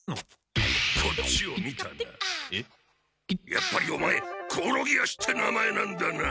やっぱりオマエ「コオロギ足」って名前なんだな。